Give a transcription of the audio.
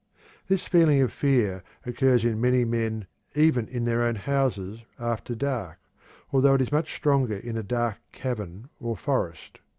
This feeling of fear occurs in many men even in their own houses after dark, although it is much stronger in a dark cavern or forest.